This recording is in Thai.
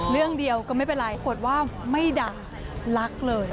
เรื่องเดียวก็ไม่เป็นไรปรากฏว่าไม่ดังรักเลย